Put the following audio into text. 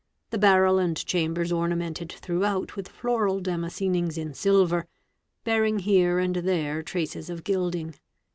The barrel and chambers ornamented throughout with floral damascenings in silver, bearing here and there traces of gilding.